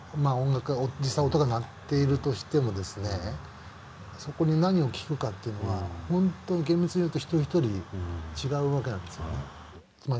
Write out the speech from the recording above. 実際音が鳴っているとしてもそこに何を聴くかっていうのはほんとに厳密に言うと一人一人違うわけなんですよね。